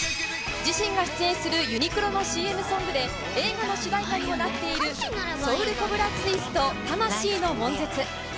自身が出演するユニクロのＣＭソングで映画の主題歌にもなっている『Ｓｏｕｌコブラツイスト魂の悶絶』。